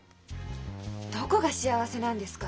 どこが幸せなんですか？